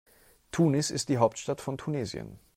Tunis ist die Hauptstadt von Tunesien.